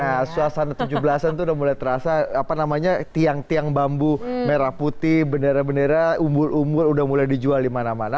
nah suasana tujuh belas an itu udah mulai terasa apa namanya tiang tiang bambu merah putih bendera bendera umbul umbul udah mulai dijual di mana mana